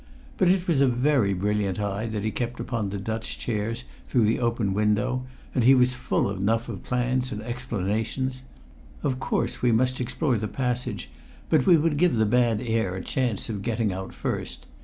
But it was a very brilliant eye that he kept upon the Dutch chairs through the open window, and he was full enough of plans and explanations. Of course we must explore the passage, but we would give the bad air a chance of getting out first.